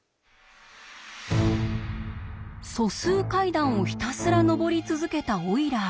素数階段をひたすら上り続けたオイラー。